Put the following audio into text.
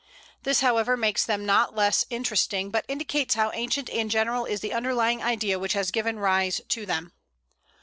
This, however, makes them not less interesting, but indicates how ancient and general is the underlying idea which has given rise to them.